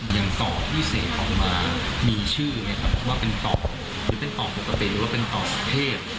อย่างต่อที่เสกออกมามีชื่อไหมครับว่าเป็นต่อหรือเป็นต่อปกติหรือว่าเป็นต่อเทพ